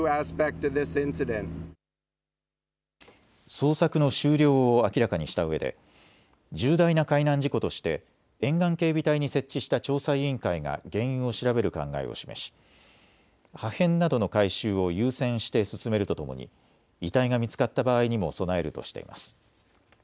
捜索の終了を明らかにしたうえで重大な海難事故として沿岸警備隊に設置した調査委員会が原因を調べる考えを示し破片などの回収を優先して進めるとともに遺体が見つかった場合にも備えるとしています。